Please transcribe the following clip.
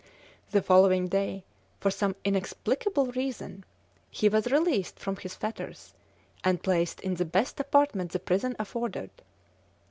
The following day, for some inexplicable reason, he was released from his fetters, and placed in the best apartment the prison afforded.